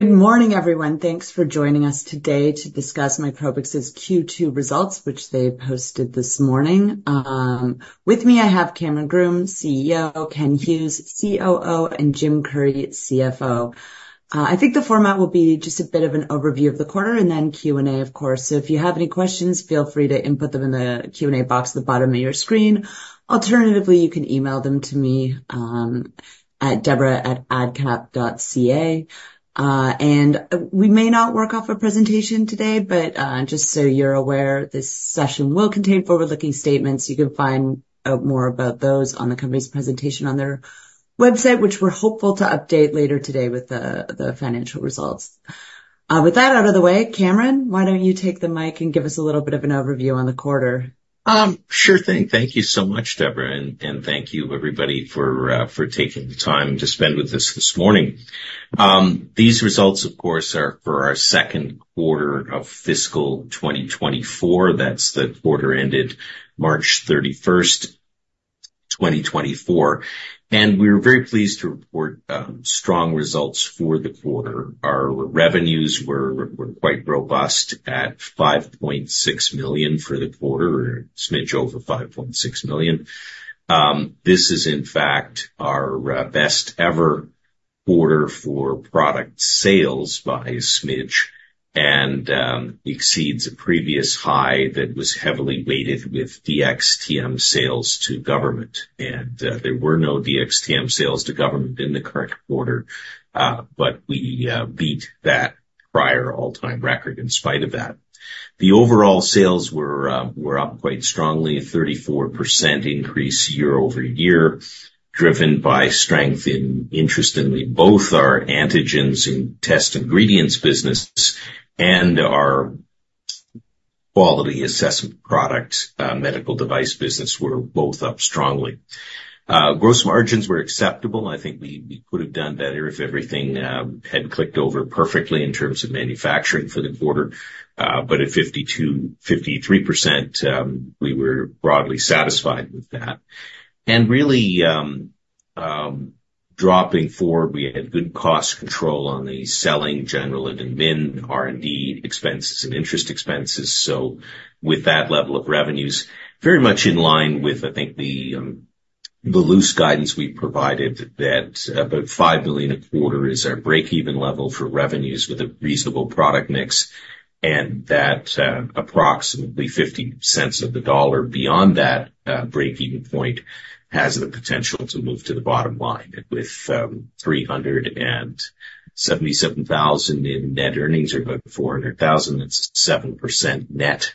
Good morning, everyone. Thanks for joining us today to discuss Microbix's Q2 results, which they posted this morning. With me, I have Cameron Groome, CEO, Ken Hughes, COO, and Jim Currie, CFO. I think the format will be just a bit of an overview of the quarter and then Q&A, of course. So if you have any questions, feel free to input them in the Q&A box at the bottom of your screen. Alternatively, you can email them to me at deborah@adcap.ca. And we may not work off a presentation today, but just so you're aware, this session will contain forward-looking statements. You can find more about those on the company's presentation on their website, which we're hopeful to update later today with the financial results. With that out of the way, Cameron, why don't you take the mic and give us a little bit of an overview on the quarter? Sure thing. Thank you so much, Deborah, and thank you, everybody, for taking the time to spend with us this morning. These results, of course, are for our second quarter of fiscal 2024. That's the quarter ended March 31st, 2024. We're very pleased to report strong results for the quarter. Our revenues were quite robust at 5.6 million for the quarter, or a smidge over 5.6 million. This is, in fact, our best-ever quarter for product sales by a smidge and exceeds a previous high that was heavily weighted with DxTM sales to government. There were no DxTM sales to government in the current quarter, but we beat that prior all-time record in spite of that. The overall sales were up quite strongly, a 34% increase year-over-year, driven by strength in, interestingly, both our antigens and test ingredients business and our quality assessment product, medical device business were both up strongly. Gross margins were acceptable. I think we could have done better if everything had clicked over perfectly in terms of manufacturing for the quarter. But at 52%-53%, we were broadly satisfied with that. And really, looking forward, we had good cost control on the selling, general, and administrative and R&D expenses and interest expenses. So with that level of revenues, very much in line with, I think, the loose guidance we provided that, about 5 million a quarter is our break-even level for revenues with a reasonable product mix, and that, approximately 50 cents of the dollar beyond that, break-even point has the potential to move to the bottom line. 377,000 in net earnings or about 400,000, that's a 7% net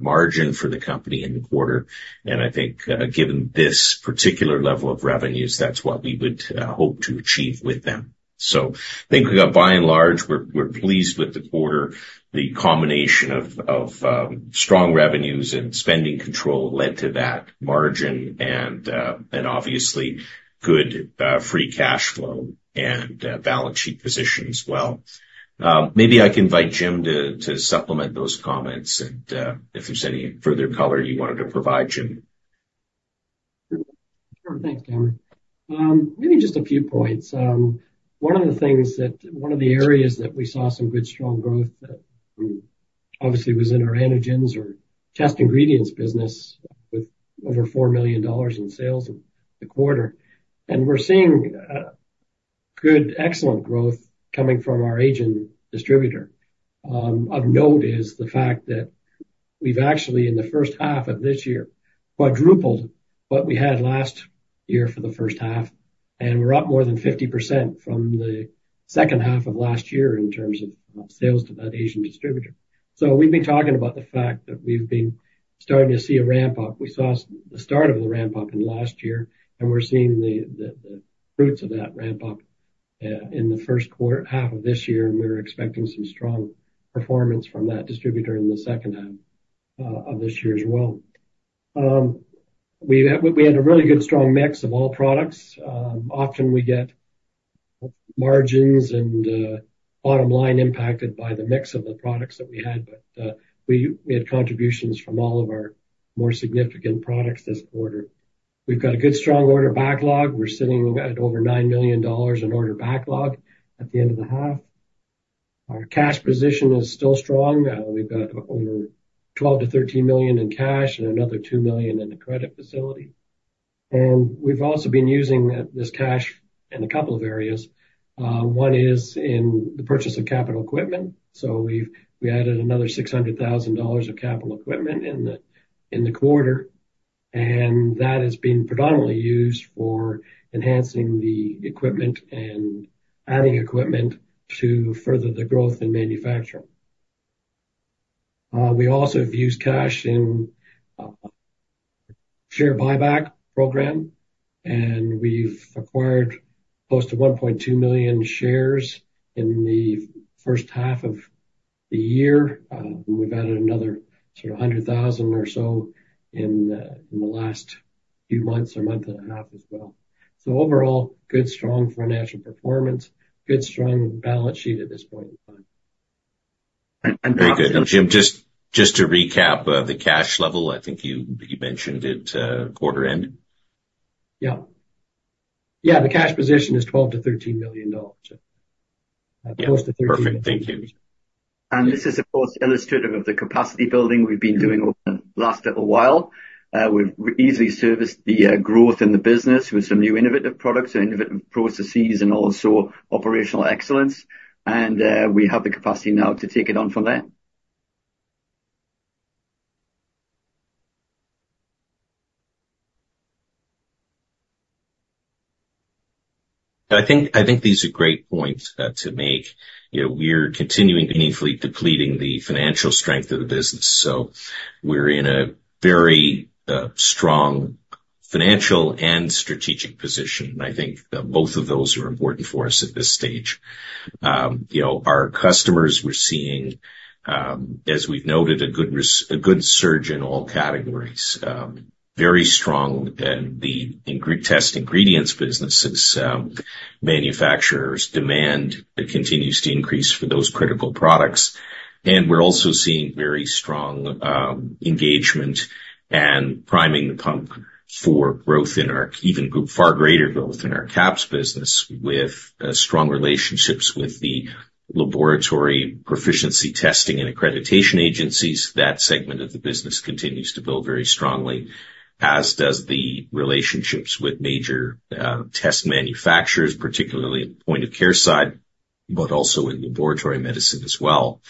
margin for the company in the quarter. I think, given this particular level of revenues, that's what we would hope to achieve with them. So I think we got, by and large, we're pleased with the quarter. The combination of strong revenues and spending control led to that margin and obviously good free cash flow and balance sheet position as well. Maybe I can invite Jim to supplement those comments and, if there's any further color you wanted to provide, Jim. Sure. Thanks, Cameron. Maybe just a few points. One of the things that one of the areas that we saw some good, strong growth that, obviously was in our antigens or test ingredients business with over 4 million dollars in sales the quarter. And we're seeing, good, excellent growth coming from our Asian distributor. Of note is the fact that we've actually, in the first half of this year, quadrupled what we had last year for the first half, and we're up more than 50% from the second half of last year in terms of, sales to that Asian distributor. So we've been talking about the fact that we've been starting to see a ramp-up. We saw the start of the ramp-up in last year, and we're seeing the fruits of that ramp-up, in the first quarter half of this year. We were expecting some strong performance from that distributor in the second half of this year as well. We had a really good, strong mix of all products. Often we get margins and bottom line impacted by the mix of the products that we had, but we had contributions from all of our more significant products this quarter. We've got a good, strong order backlog. We're sitting at over 9 million dollars in order backlog at the end of the half. Our cash position is still strong. We've got over 12-13 million in cash and another 2 million in the credit facility. And we've also been using this cash in a couple of areas. One is in the purchase of capital equipment. So we've, we added another 600,000 dollars of capital equipment in the quarter, and that has been predominantly used for enhancing the equipment and adding equipment to further the growth in manufacturing. We also have used cash in share buyback program, and we've acquired close to 1.2 million shares in the first half of the year. We've added another sort of 100,000 or so in the last few months or month and a half as well. So overall, good, strong financial performance, good, strong balance sheet at this point in time. Perfect. Very good. Jim, just to recap, the cash level, I think you mentioned it, quarter end. Yeah. Yeah, the cash position is 12 million-13 million, close to 13 million dollars. Perfect. Thank you. This is, of course, illustrative of the capacity building we've been doing over the last little while. We've easily serviced the growth in the business with some new innovative products and innovative processes and also operational excellence. We have the capacity now to take it on from there. I think these are great points to make. You know, we're continuing meaningfully building the financial strength of the business. So we're in a very strong financial and strategic position, and I think both of those are important for us at this stage. You know, our customers, we're seeing, as we've noted, a good surge in all categories, very strong in the antigen test ingredients businesses. Manufacturers' demand continues to increase for those critical products. And we're also seeing very strong engagement and priming the pump for growth in our even far greater growth in our QAPs business with strong relationships with the laboratory proficiency testing and accreditation agencies. That segment of the business continues to build very strongly, as does the relationships with major test manufacturers, particularly in the point-of-care side, but also in laboratory medicine as well.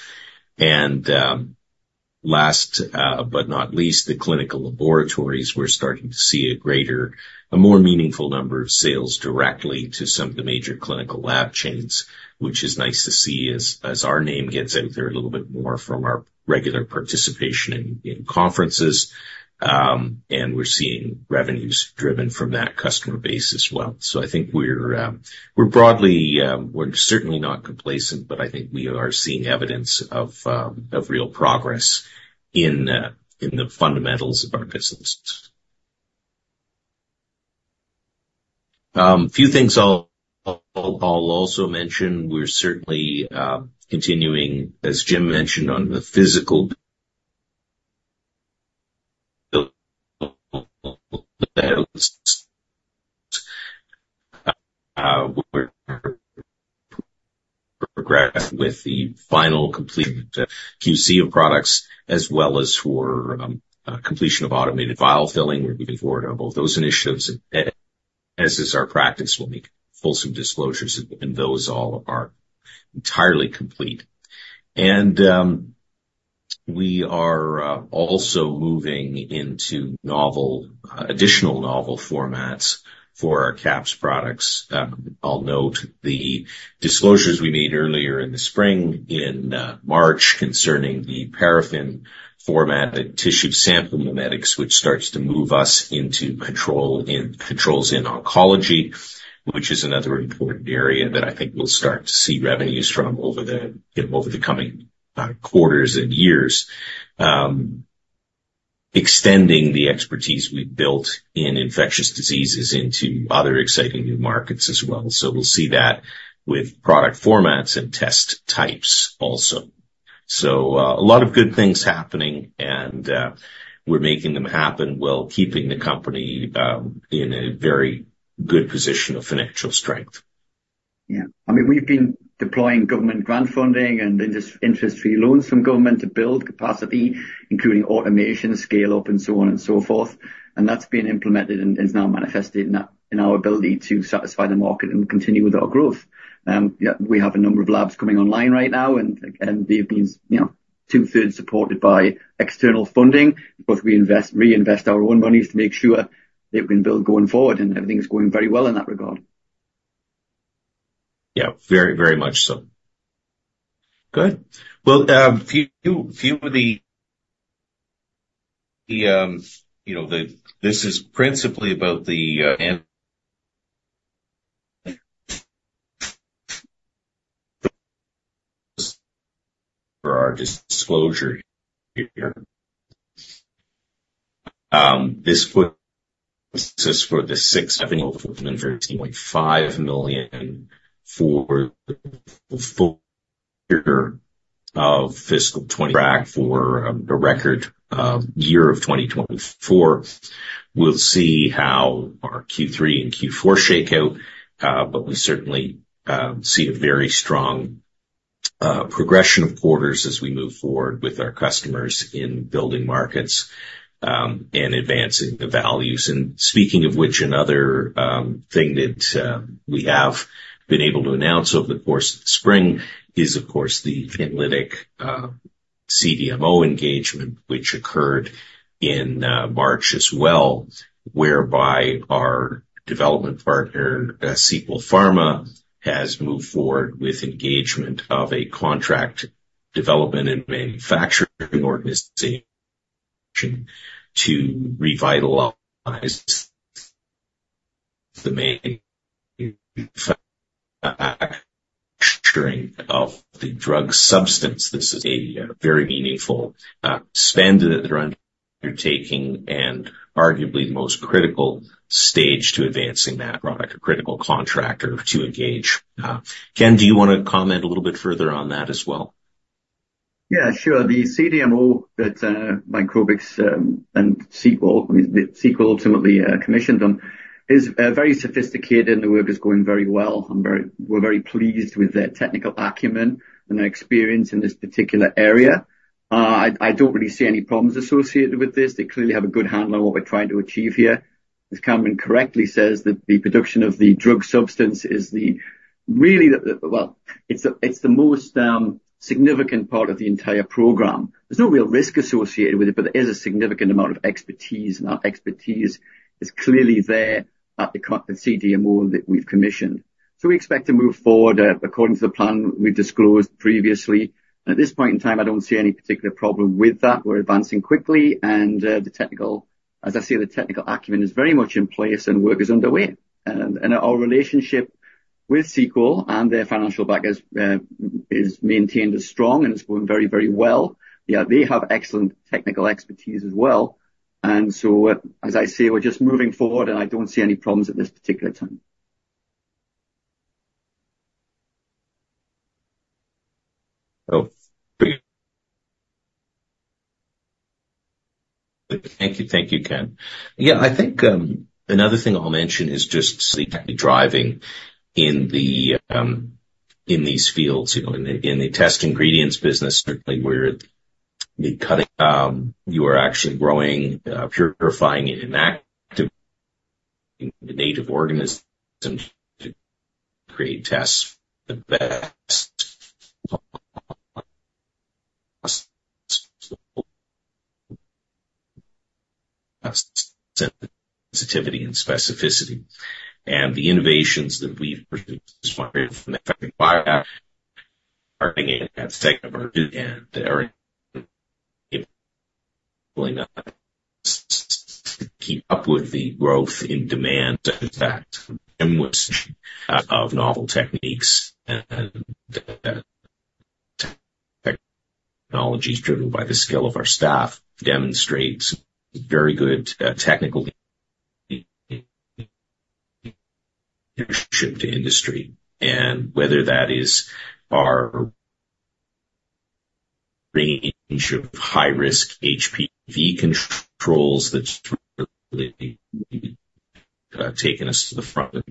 Last, but not least, the clinical laboratories, we're starting to see a greater, more meaningful number of sales directly to some of the major clinical lab chains, which is nice to see as our name gets out there a little bit more from our regular participation in conferences. And we're seeing revenues driven from that customer base as well. So I think we're broadly, we're certainly not complacent, but I think we are seeing evidence of real progress in the fundamentals of our business. A few things I'll also mention. We're certainly continuing, as Jim mentioned, on the physical builds. We're progressing with the final completion, QC of products as well as completion of automated vial filling. We're moving forward on both those initiatives, as is our practice. We'll make fulsome disclosures, and those all are entirely complete. We are also moving into novel, additional novel formats for our QAPs products. I'll note the disclosures we made earlier in the spring, in March concerning the paraffin-formatted tissue sample mimetics, which starts to move us into controls in oncology, which is another important area that I think we'll start to see revenues from over the, you know, over the coming quarters and years, extending the expertise we've built in infectious diseases into other exciting new markets as well. So we'll see that with product formats and test types also. So, a lot of good things happening, and we're making them happen while keeping the company in a very good position of financial strength. Yeah. I mean, we've been deploying government grant funding and interest-free loans from government to build capacity, including automation, scale-up, and so on and so forth. And that's been implemented and is now manifested in our ability to satisfy the market and continue with our growth. You know, we have a number of labs coming online right now, and they've been, you know, two-thirds supported by external funding. Both we invest reinvest our own monies to make sure that we can build going forward, and everything's going very well in that regard. Yeah, very, very much so. Good. Well, a few of the, you know, this is principally about the annual for our disclosure here. This quick assessment for the sixth, I think, over 13.5 million for the full year of fiscal track for the record year of 2024. We'll see how our Q3 and Q4 shake out, but we certainly see a very strong progression of quarters as we move forward with our customers in building markets, and advancing the values. And speaking of which, another thing that we have been able to announce over the course of the spring is, of course, the announced CDMO engagement, which occurred in March as well, whereby our development partner, Sequel Pharma, has moved forward with engagement of a contract development and manufacturing organization to revitalize the manufacturing of the drug substance. This is a very meaningful spend that they're undertaking and arguably the most critical stage to advancing that product, a critical contractor to engage. Ken, do you want to comment a little bit further on that as well? Yeah, sure. The CDMO that Microbix and Sequel I mean, the Sequel ultimately commissioned is very sophisticated, and the work is going very well. I'm very we're very pleased with their technical acumen and their experience in this particular area.I don't really see any problems associated with this. They clearly have a good handle on what we're trying to achieve here. As Cameron correctly says, the production of the drug substance is really the well, it's the it's the most significant part of the entire program. There's no real risk associated with it, but there is a significant amount of expertise, and that expertise is clearly there at the CDMO that we've commissioned. So we expect to move forward according to the plan we've disclosed previously. And at this point in time, I don't see any particular problem with that. We're advancing quickly, and the technical acumen, as I say, is very much in place, and work is underway. And our relationship with Sequel and their financial backer is maintained as strong, and it's going very, very well. Yeah, they have excellent technical expertise as well. And so, as I say, we're just moving forward, and I don't see any problems at this particular time. Oh, thank you. Thank you, Ken. Yeah, I think another thing I'll mention is just that can be driving in these fields. You know, in the test ingredients business, certainly, we're the cutting edge you are actually growing, purifying and extracting the native organisms to create tests for the best possible sensitivity and specificity. And the innovations that we've pursued inspired from the effective [biochar] charging enhanced technology and are enabling us to keep up with the growth in demand such as that of novel techniques and technologies driven by the skill of our staff demonstrates very good technical leadership to industry. And whether that is our range of high-risk HPV controls that's really taken us to the forefront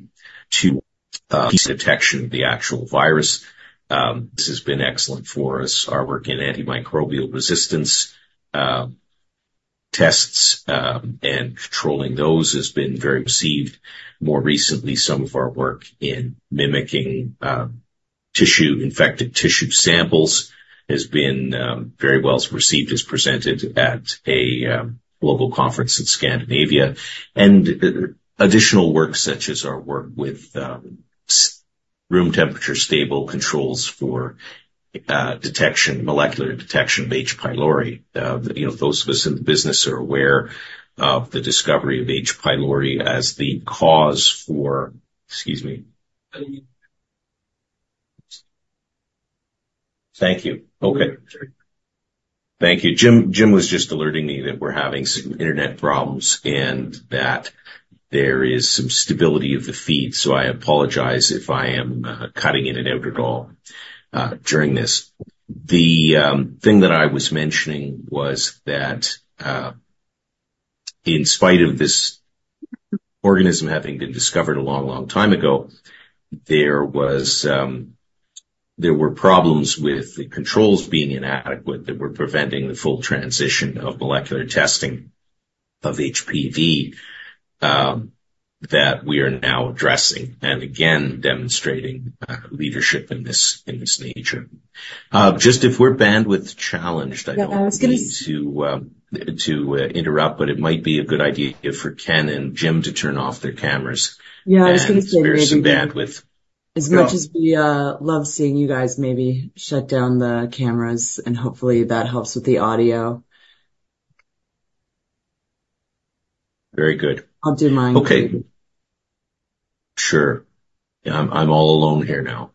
of detection of the actual virus, this has been excellent for us. Our work in antimicrobial resistance tests and controlling those has been very well received. More recently, some of our work in mimicking tissue-infected tissue samples has been very well received as presented at a global conference in Scandinavia. And additional work such as our work with serum room temperature-stable controls for molecular detection of H. pylori. You know, those of us in the business are aware of the discovery of H. pylori as the cause for—excuse me. Thank you. Okay. Thank you. Jim was just alerting me that we're having some internet problems and that there is some instability of the feed. So I apologize if I am cutting in and out at all during this. The thing that I was mentioning was that, in spite of this organism having been discovered a long, long time ago, there was, there were problems with the controls being inadequate that were preventing the full transition of molecular testing of HPV, that we are now addressing and, again, demonstrating, leadership in this in this nature. Just if we're bandwidth challenged, I don't. Yeah, I was gonna need to interrupt, but it might be a good idea for Ken and Jim to turn off their cameras. Yeah, I was gonna say maybe. If there's some bandwidth. As much as we love seeing you guys, maybe shut down the cameras, and hopefully that helps with the audio. Very good. I'll do mine. Okay. Sure. I'm all alone here now.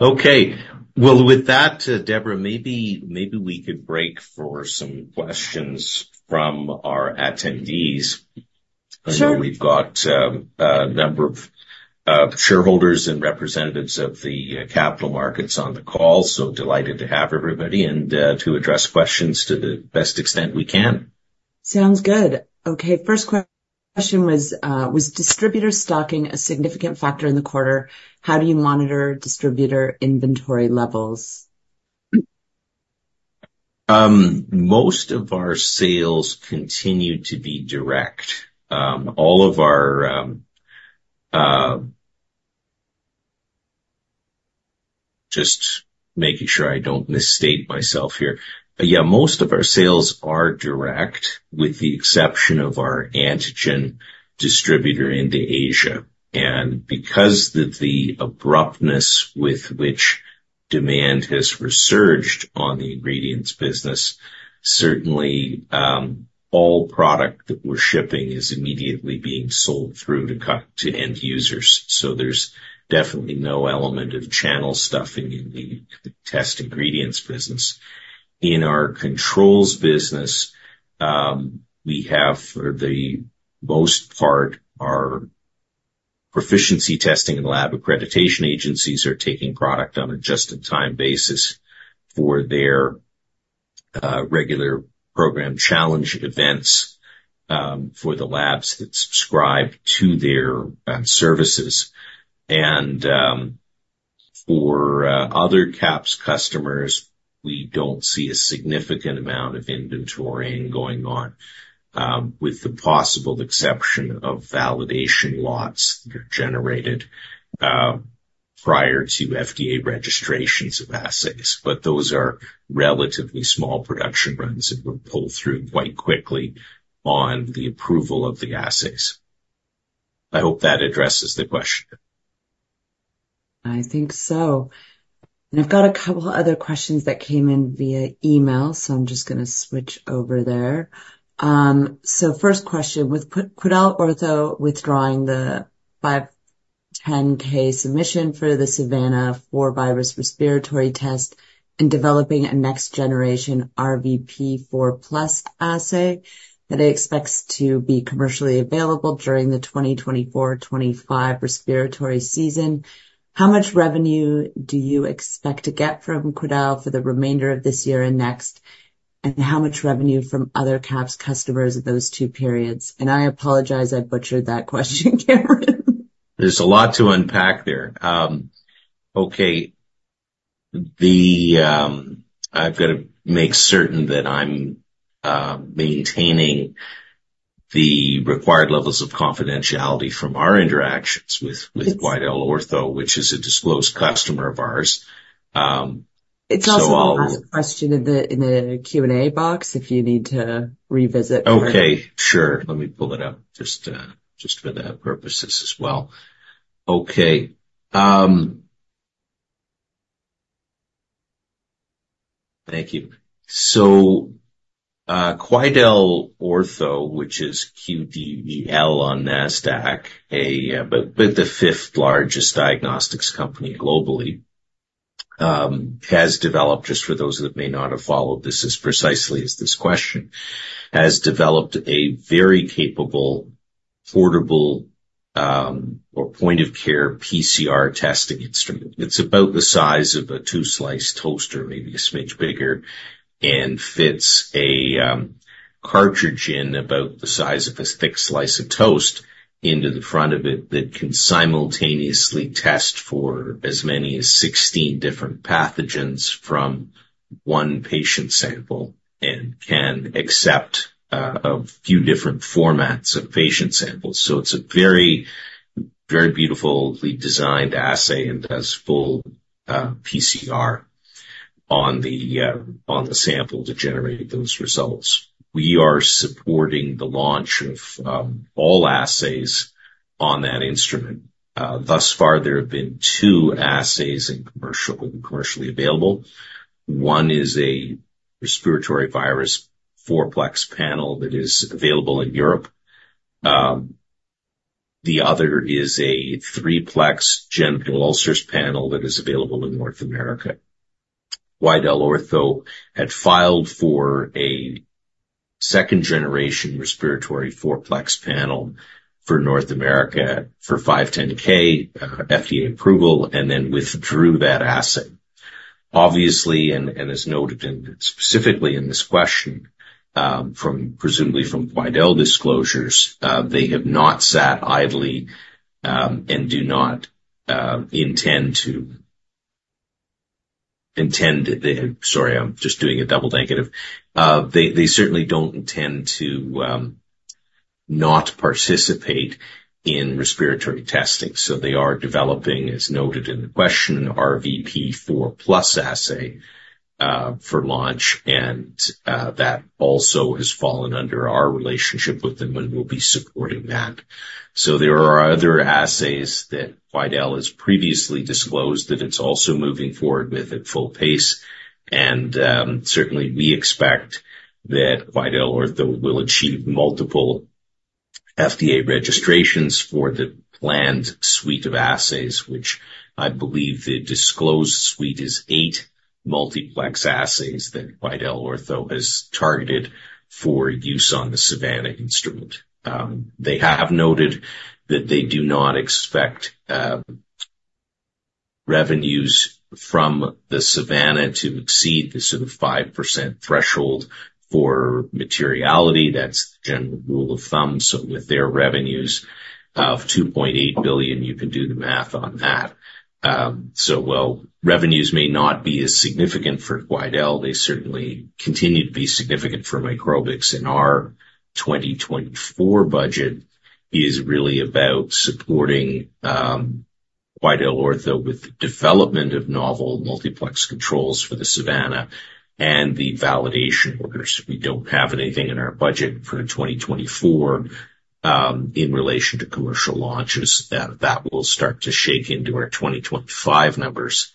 Okay. Well, with that, Deborah, maybe, maybe we could break for some questions from our attendees. Sure. I know we've got a number of shareholders and representatives of the capital markets on the call, so delighted to have everybody and to address questions to the best extent we can. Sounds good. Okay. First question was, was distributor stocking a significant factor in the quarter? How do you monitor distributor inventory levels? Most of our sales continue to be direct. All of our, just making sure I don't misstate myself here. Yeah, most of our sales are direct with the exception of our antigen distributor into Asia. Because of the abruptness with which demand has resurged on the ingredients business, certainly, all product that we're shipping is immediately being sold through to cut to end users. So there's definitely no element of channel stuffing in the test ingredients business. In our controls business, we have for the most part, our proficiency testing and lab accreditation agencies are taking product on a just-in-time basis for their, regular program challenge events, for the labs that subscribe to their, services. For, other QAPs customers, we don't see a significant amount of inventorying going on, with the possible exception of validation lots that are generated, prior to FDA registrations of assays. But those are relatively small production runs, and we'll pull through quite quickly on the approval of the assays. I hope that addresses the question. I think so. I've got a couple other questions that came in via email, so I'm just gonna switch over there. So first question, with QuidelOrtho withdrawing the 510(k) submission for the Savanna respiratory virus test and developing a next-generation RVP4+ assay that expects to be commercially available during the 2024-25 respiratory season, how much revenue do you expect to get from Quidel for the remainder of this year and next, and how much revenue from other QAPs customers of those two periods? And I apologize I butchered that question, Cameron. There's a lot to unpack there. Okay. I've gotta make certain that I'm maintaining the required levels of confidentiality from our interactions with QuidelOrtho, which is a disclosed customer of ours. So I'll. It's also a last question in the Q&A box if you need to revisit or. Okay. Sure. Let me pull it up just, just for that purpose as well. Okay. Thank you. So, QuidelOrtho which is QDEL on NASDAQ, a, but, but the fifth largest diagnostics company globally, has developed just for those that may not have followed this as precisely as this question has developed a very capable portable, or point-of-care PCR testing instrument. It's about the size of a two-slice toaster, maybe a smidge bigger, and fits a cartridge in about the size of a thick slice of toast into the front of it that can simultaneously test for as many as 16 different pathogens from one patient sample and can accept a few different formats of patient samples. So it's a very, very beautifully designed assay and does full PCR on the sample to generate those results. We are supporting the launch of all assays on that instrument. Thus far, there have been two assays commercially available. One is a respiratory virus four-plex panel that is available in Europe. The other is a three-plex genital ulcers panel that is available in North America. QuidelOrtho had filed for a second-generation respiratory four-plex panel for North America for 510(k) FDA approval, and then withdrew that assay. Obviously, as noted specifically in this question, from presumably Quidel disclosures, they have not sat idly, and do not intend that they have. Sorry, I'm just doing a double negative. They certainly don't intend to not participate in respiratory testing. So they are developing, as noted in the question, an RVP4+ assay for launch, and that also has fallen under our relationship with them and we'll be supporting that. So there are other assays that QuidelOrtho has previously disclosed that it's also moving forward with at full pace. And, certainly, we expect that QuidelOrtho will achieve multiple FDA registrations for the planned suite of assays which I believe the disclosed suite is eight multiplex assays that QuidelOrtho has targeted for use on the Savanna instrument. They have noted that they do not expect revenues from the Savanna to exceed the sort of 5% threshold for materiality. That's the general rule of thumb. So with their revenues of $2.8 billion, you can do the math on that. So, well, revenues may not be as significant for QuidelOrtho. They certainly continue to be significant for Microbix. And our 2024 budget is really about supporting QuidelOrtho with the development of novel multiplex controls for the Savanna and the validation orders. We don't have anything in our budget for 2024, in relation to commercial launches. That will start to shake into our 2025 numbers,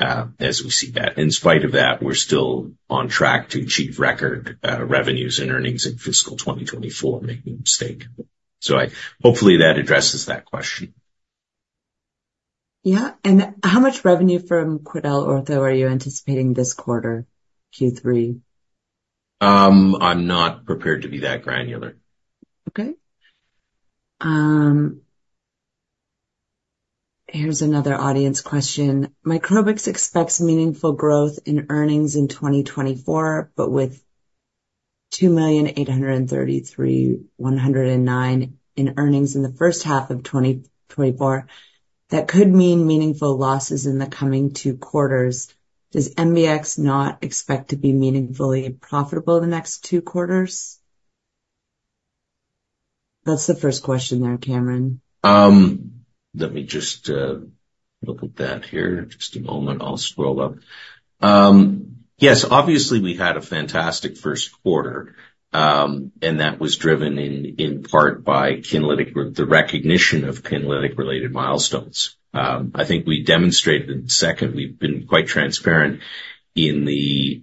as we see that. In spite of that, we're still on track to achieve record revenues and earnings in fiscal 2024, make no mistake. So, hopefully, that addresses that question. Yeah. How much revenue from QuidelOrtho are you anticipating this quarter, Q3? I'm not prepared to be that granular. Okay. Here's another audience question. Microbix expects meaningful growth in earnings in 2024, but with 2,833,109 in earnings in the first half of 2024, that could mean meaningful losses in the coming two quarters. Does MBX not expect to be meaningfully profitable the next two quarters? That's the first question there, Cameron. Let me just look at that here. Just a moment. I'll scroll up. Yes, obviously, we had a fantastic first quarter, and that was driven in, in part by Kinlytic, the recognition of Kinlytic-related milestones. I think we demonstrated in the second we've been quite transparent in the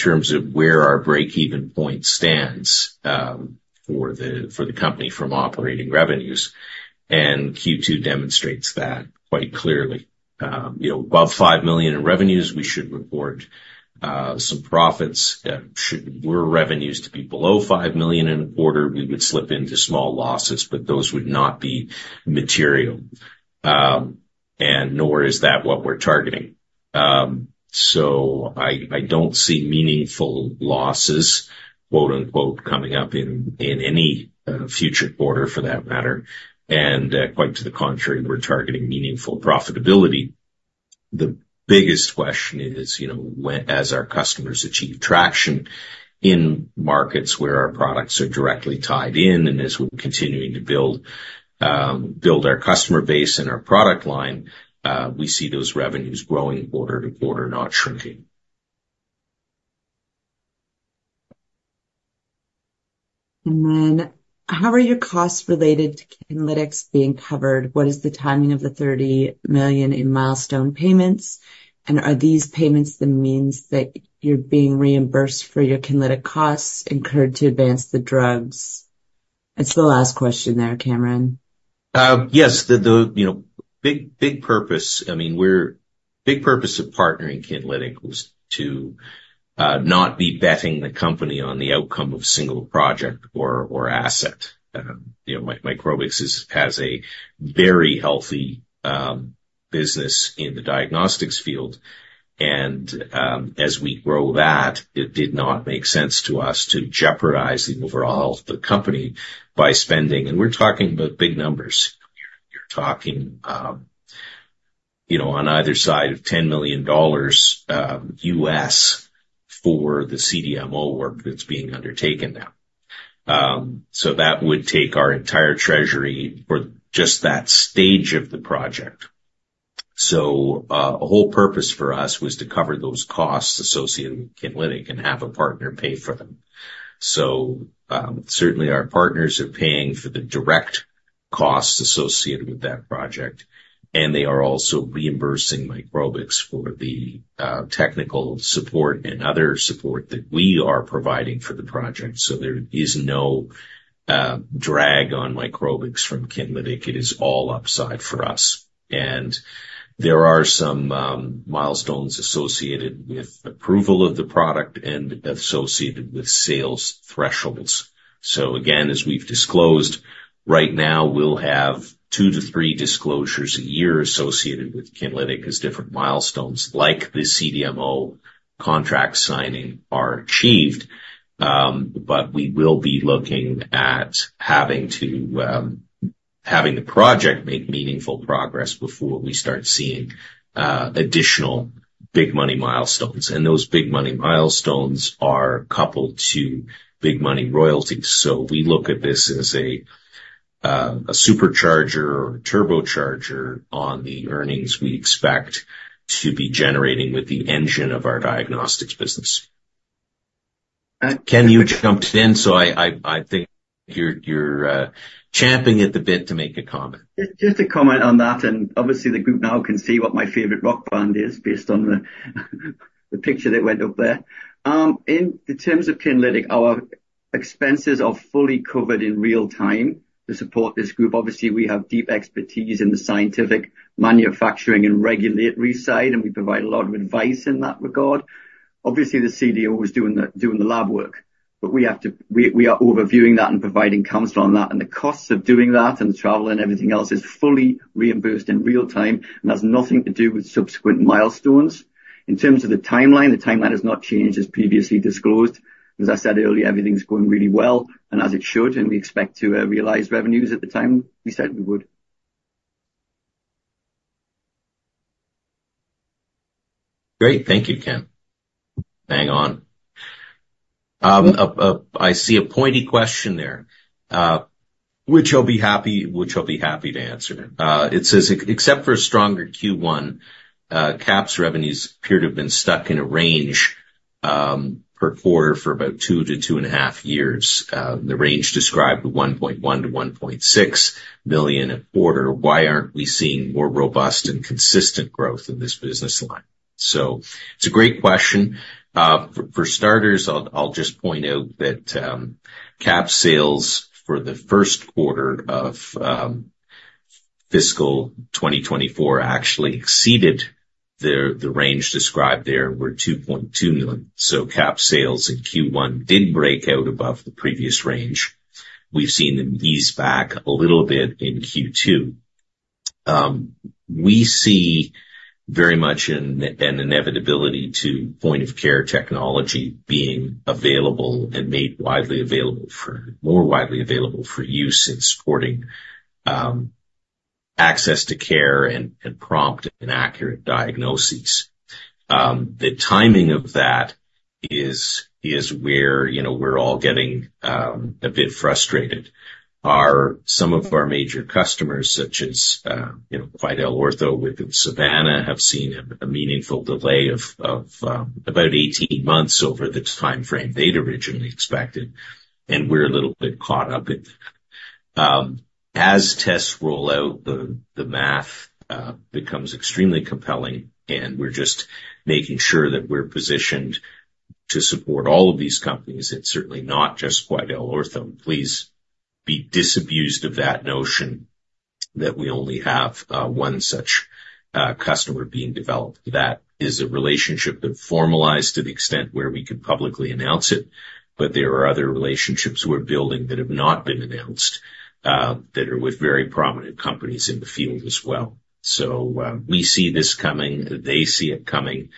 terms of where our breakeven point stands, for the company from operating revenues. And Q2 demonstrates that quite clearly. You know, above 5 million in revenues, we should report some profits. Should our revenues to be below 5 million in a quarter, we would slip into small losses, but those would not be material. And nor is that what we're targeting. So I don't see meaningful losses, quote-unquote, coming up in any future quarter for that matter. And, quite to the contrary, we're targeting meaningful profitability. The biggest question is, you know, when as our customers achieve traction in markets where our products are directly tied in and as we're continuing to build our customer base and our product line, we see those revenues growing quarter to quarter, not shrinking. And then how are your costs related to Kinlytic being covered? What is the timing of the $30 million in milestone payments? And are these payments the means that you're being reimbursed for your Kinlytic costs incurred to advance the drugs? That's the last question there, Cameron. Yes. The you know, big, big purpose I mean, our big purpose of partnering Kinlytic was to not be betting the company on the outcome of a single project or or asset. You know, Microbix has a very healthy business in the diagnostics field. And as we grow that, it did not make sense to us to jeopardize the overall health of the company by spending and we're talking about big numbers. You're talking you know, on either side of $10 million for the CDMO work that's being undertaken now. So that would take our entire treasury for just that stage of the project. So a whole purpose for us was to cover those costs associated with Kinlytic and have a partner pay for them. So, certainly, our partners are paying for the direct costs associated with that project, and they are also reimbursing Microbix for the technical support and other support that we are providing for the project. So there is no drag on Microbix from Kinlytic. It is all upside for us. And there are some milestones associated with approval of the product and associated with sales thresholds. So again, as we've disclosed, right now, we'll have two to three disclosures a year associated with Kinlytic as different milestones like the CDMO contract signing are achieved. But we will be looking at having to have the project make meaningful progress before we start seeing additional big-money milestones. And those big-money milestones are coupled to big-money royalties. So we look at this as a supercharger or turbocharger on the earnings we expect to be generating with the engine of our diagnostics business. Can you jump in? So I think you're champing at the bit to make a comment. Just a comment on that. Obviously, the group now can see what my favorite rock band is based on the picture that went up there. In terms of Kinlytic, our expenses are fully covered in real time to support this group. Obviously, we have deep expertise in the scientific manufacturing and regulatory side, and we provide a lot of advice in that regard. Obviously, the CDMO is doing the lab work, but we are overviewing that and providing counsel on that. And the costs of doing that and the travel and everything else is fully reimbursed in real time, and that's nothing to do with subsequent milestones. In terms of the timeline, the timeline has not changed as previously disclosed. As I said earlier, everything's going really well, and as it should. We expect to realize revenues at the time we said we would. Great. Thank you, Ken. Hang on. I see a pointy question there, which I'll be happy to answer. It says, "Except for a stronger Q1, QAPs revenues appear to have been stuck in a range, per quarter for about 2-2.5 years. The range described of 1.1 million-1.6 million a quarter. Why aren't we seeing more robust and consistent growth in this business line?" So it's a great question. For starters, I'll just point out that, QAPs sales for the first quarter of fiscal 2024 actually exceeded the range described; there were 2.2 million. So QAPs sales in Q1 did break out above the previous range. We've seen them ease back a little bit in Q2. We see very much an inevitability to point-of-care technology being available and made widely available for more widely available for use in supporting access to care and prompt and accurate diagnoses. The timing of that is where, you know, we're all getting a bit frustrated. As some of our major customers such as, you know, QuidelOrtho with Savanna have seen a meaningful delay of about 18 months over the timeframe they'd originally expected, and we're a little bit caught up in that. As tests roll out, the math becomes extremely compelling, and we're just making sure that we're positioned to support all of these companies. It's certainly not just QuidelOrtho. Please be disabused of that notion that we only have one such customer being developed. That is a relationship that formalized to the extent where we could publicly announce it, but there are other relationships we're building that have not been announced, that are with very prominent companies in the field as well. So, we see this coming. They see it coming.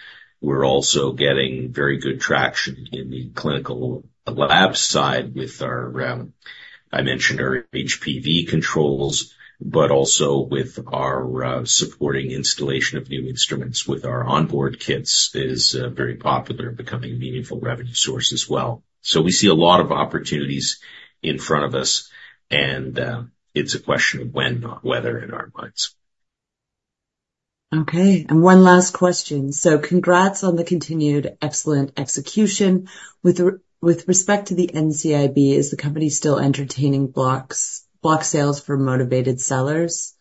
We're also getting very good traction in the clinical lab side with our, I mentioned earlier, HPV controls, but also with our, supporting installation of new instruments with our onboard kits is, very popular, becoming a meaningful revenue source as well. So we see a lot of opportunities in front of us, and, it's a question of when, not whether, in our minds. Okay. One last question. Congrats on the continued excellent execution. With respect to the NCIB, is the company still entertaining block sales for motivated sellers?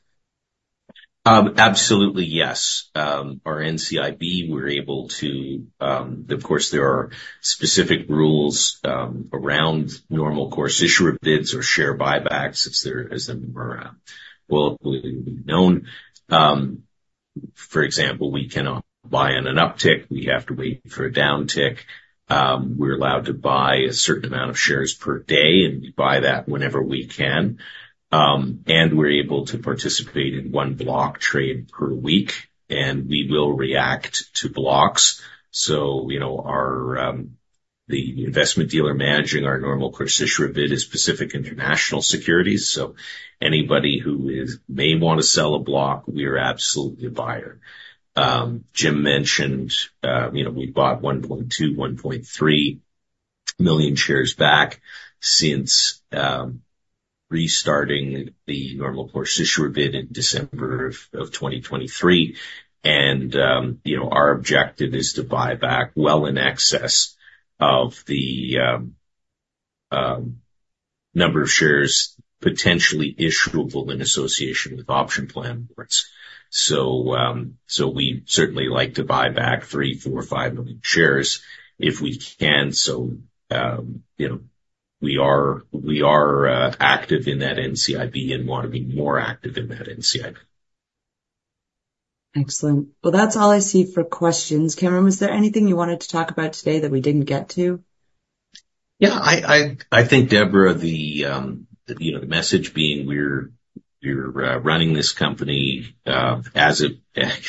Absolutely, yes. Our NCIB, we're able to, of course, there are specific rules around normal course issuer bids or share buybacks as they're as they're more, well known. For example, we cannot buy on an uptick. We have to wait for a downtick. We're allowed to buy a certain amount of shares per day, and we buy that whenever we can. And we're able to participate in one block trade per week, and we will react to blocks. So, you know, our, the investment dealer managing our normal course issuer bid is Pacific International Securities. So anybody who is may want to sell a block, we are absolutely a buyer. Jim mentioned, you know, we bought 1.2-1.3 million shares back since restarting the normal course issuer bid in December of 2023. You know, our objective is to buy back well in excess of the number of shares potentially issuable in association with option plan awards. So, we certainly like to buy back 3, 4, 5 million shares if we can. So, you know, we are active in that NCIB and want to be more active in that NCIB. Excellent. Well, that's all I see for questions. Cameron, was there anything you wanted to talk about today that we didn't get to? Yeah. I think, Deborah, you know, the message being we're running this company, as you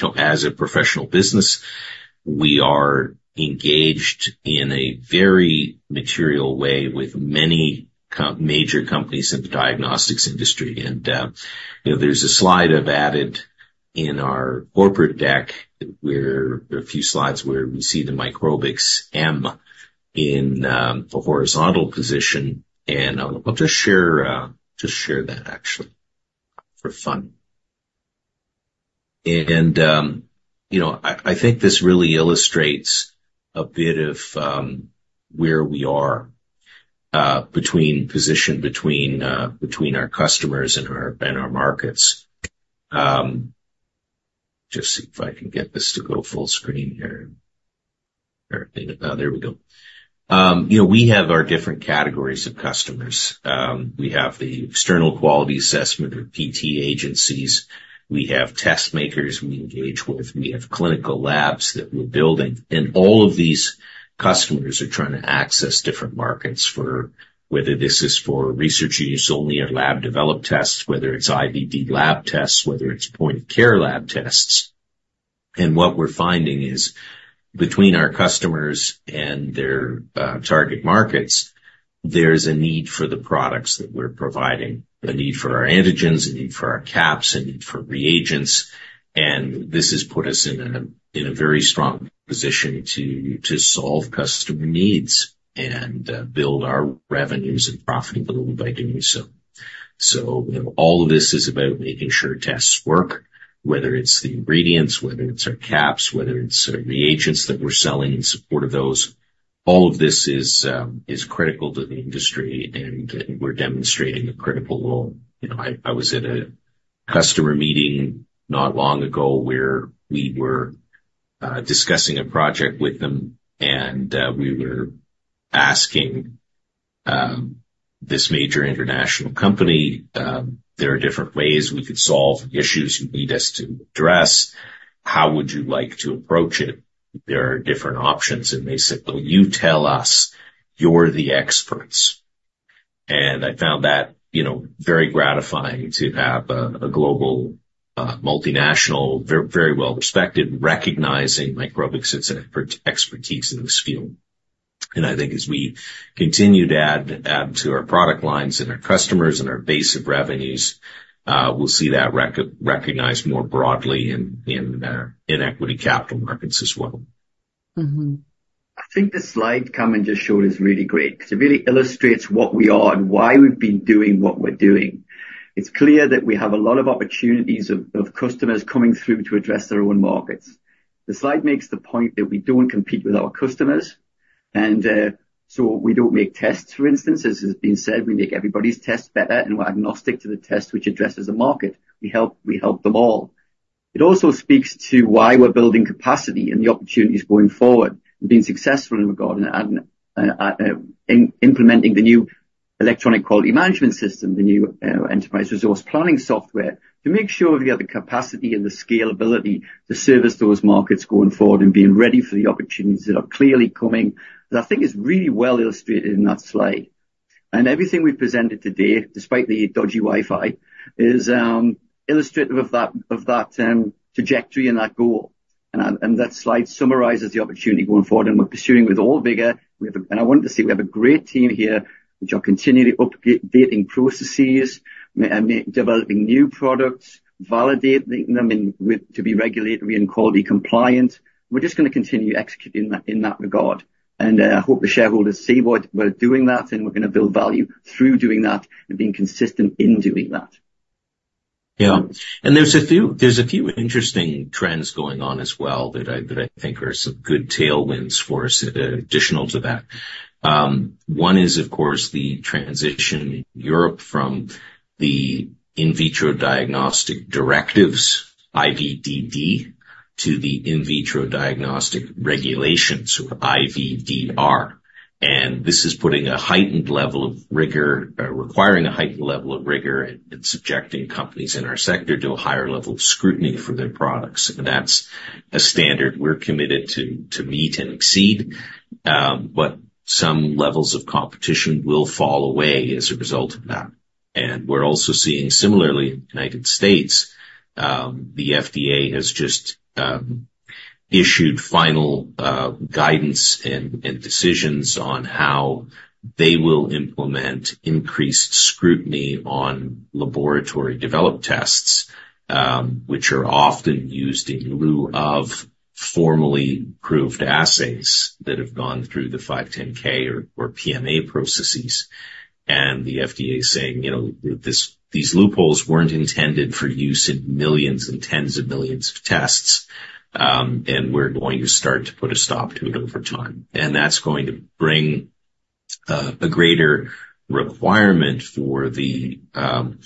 know, as a professional business, we are engaged in a very material way with many major companies in the diagnostics industry. And, you know, there's a slide I've added in our corporate deck, a few slides where we see the Microbix M in a horizontal position. And I'll just share that, actually, for fun. And, you know, I think this really illustrates a bit of where we are, between our customers and our markets. Just see if I can get this to go full screen here. There we go. You know, we have our different categories of customers. We have the external quality assessment or PT agencies. We have test makers we engage with. We have clinical labs that we're building. And all of these customers are trying to access different markets for whether this is for research use only or lab-developed tests, whether it's IBD lab tests, whether it's point-of-care lab tests. And what we're finding is between our customers and their target markets, there's a need for the products that we're providing, a need for our antigens, a need for our QAPs, a need for reagents. And this has put us in a very strong position to solve customer needs and build our revenues and profitability by doing so. So, you know, all of this is about making sure tests work, whether it's the ingredients, whether it's our QAPs, whether it's our reagents that we're selling in support of those. All of this is critical to the industry, and we're demonstrating a critical role. You know, I was at a customer meeting not long ago where we were discussing a project with them, and we were asking this major international company, there are different ways we could solve issues you need us to address. How would you like to approach it? There are different options. And they said, "Well, you tell us. You're the experts." And I found that, you know, very gratifying to have a global, multinational, very, very well respected, recognizing Microbix's expertise in this field. And I think as we continue to add to our product lines and our customers and our base of revenues, we'll see that recognized more broadly in equity capital markets as well. Mm-hmm. I think the slide Cameron just showed is really great because it really illustrates what we are and why we've been doing what we're doing. It's clear that we have a lot of opportunities of customers coming through to address their own markets. The slide makes the point that we don't compete with our customers. So we don't make tests, for instance. As has been said, we make everybody's tests better. We're agnostic to the test which addresses the market. We help them all. It also speaks to why we're building capacity and the opportunities going forward and being successful in regard to adding and implementing the new electronic quality management system, the new enterprise resource planning software to make sure we have the capacity and the scalability to service those markets going forward and being ready for the opportunities that are clearly coming, as I think is really well illustrated in that slide. And everything we've presented today, despite the dodgy Wi-Fi, is illustrative of that trajectory and that goal. And that slide summarizes the opportunity going forward. And we're pursuing with all vigor. And I wanted to say we have a great team here, which are continually updating processes and developing new products, validating them to be regulatory and quality compliant. We're just going to continue executing that in that regard. I hope the shareholders see what we're doing that, and we're going to build value through doing that and being consistent in doing that. Yeah. And there are a few interesting trends going on as well that I think are some good tailwinds for us, additional to that. One is, of course, the transition in Europe from the in vitro diagnostic directives, IVDD, to the in vitro diagnostic regulations, or IVDR. And this is putting a heightened level of rigor, requiring a heightened level of rigor and subjecting companies in our sector to a higher level of scrutiny for their products. And that's a standard we're committed to meet and exceed. But some levels of competition will fall away as a result of that. And we're also seeing, similarly, in the United States, the FDA has just issued final guidance and decisions on how they will implement increased scrutiny on laboratory developed tests, which are often used in lieu of formally approved assays that have gone through the 510(k) or PMA processes. And the FDA is saying, you know, these loopholes weren't intended for use in millions and tens of millions of tests, and we're going to start to put a stop to it over time. And that's going to bring a greater requirement for the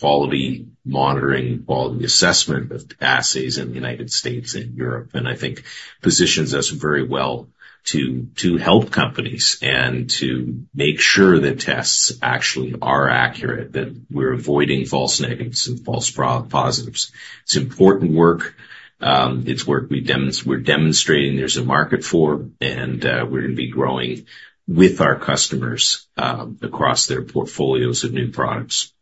quality monitoring, quality assessment of assays in the United States and Europe. And I think positions us very well to help companies and to make sure that tests actually are accurate, that we're avoiding false negatives and false positives. It's important work. It's work we demonstrate we're demonstrating there's a market for, and we're going to be growing with our customers across their portfolios of new products.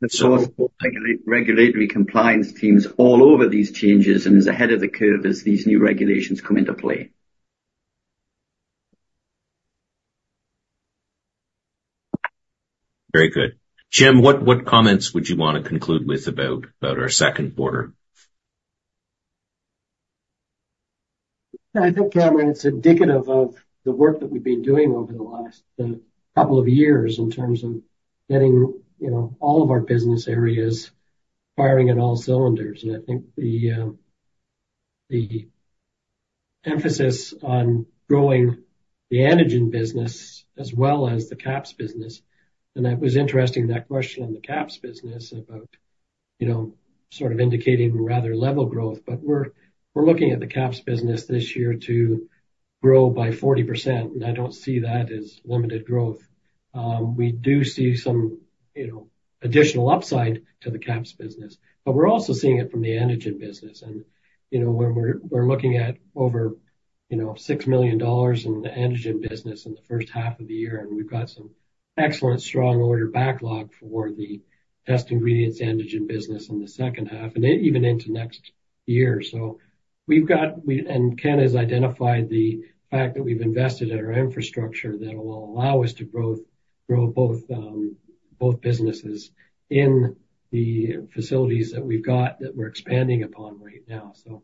That's all. Regulatory compliance teams all over these changes. And as ahead of the curve as these new regulations come into play. Very good. Jim, what, what comments would you want to conclude with about, about our second quarter? Yeah. I think, Cameron, it's indicative of the work that we've been doing over the last couple of years in terms of getting, you know, all of our business areas firing at all cylinders. And I think the emphasis on growing the antigen business as well as the QAPs business and that was interesting, that question on the QAPs business about, you know, sort of indicating rather level growth. But we're looking at the QAPs business this year to grow by 40%. And I don't see that as limited growth. We do see some, you know, additional upside to the QAPs business, but we're also seeing it from the antigen business. You know, when we're looking at over 6 million dollars in the antigen business in the first half of the year, and we've got some excellent, strong order backlog for the test ingredients antigen business in the second half and even into next year. So we've got, and Ken has identified the fact that we've invested in our infrastructure that will allow us to grow both businesses in the facilities that we've got that we're expanding upon right now. So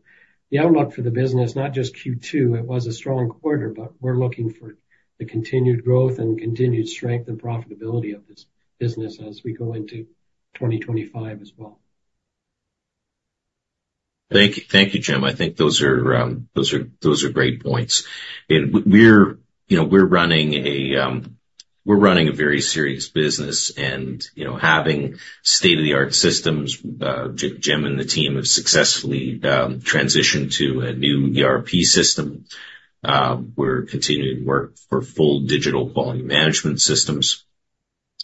the outlook for the business, not just Q2, it was a strong quarter, but we're looking for the continued growth and continued strength and profitability of this business as we go into 2025 as well. Thank you. Thank you, Jim. I think those are great points. And we're, you know, we're running a very serious business. And, you know, having state-of-the-art systems, Jim and the team have successfully transitioned to a new ERP system. We're continuing to work for full digital quality management systems,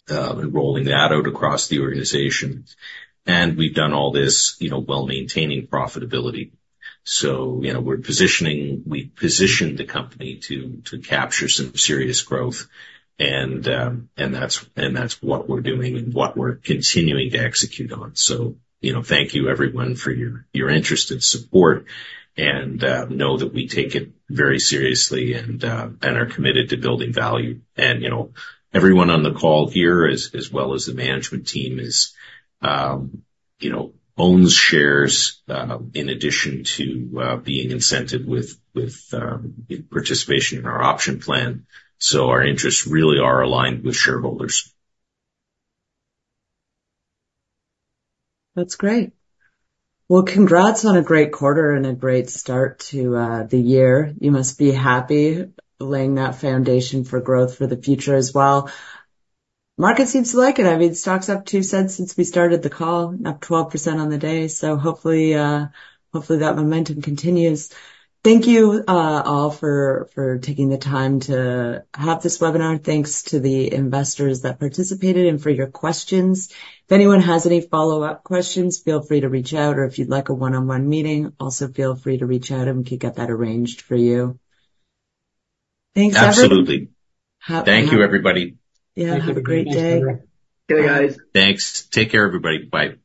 and rolling that out across the organization. And we've done all this, you know, while maintaining profitability. So, you know, we're positioning we've positioned the company to capture some serious growth. And that's what we're doing and what we're continuing to execute on. So, you know, thank you, everyone, for your interest and support. And know that we take it very seriously and are committed to building value. You know, everyone on the call here, as well as the management team, you know, owns shares, in addition to being incented with participation in our option plan. So our interests really are aligned with shareholders. That's great. Well, congrats on a great quarter and a great start to the year. You must be happy laying that foundation for growth for the future as well. Market seems to like it. I mean, stock's up 0.02 since we started the call, up 12% on the day. So hopefully, hopefully, that momentum continues. Thank you all for taking the time to have this webinar. Thanks to the investors that participated and for your questions. If anyone has any follow-up questions, feel free to reach out. Or if you'd like a one-on-one meeting, also feel free to reach out, and we could get that arranged for you. Thanks, everyone. Absolutely. Thank you, everybody. Yeah. Have a great day. Hey, guys. Thanks. Take care, everybody. Bye. Bye.